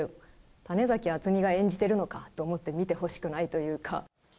種崎敦美が演じてるのかと思って見てほしくないというか。